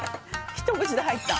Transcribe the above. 一口で入った？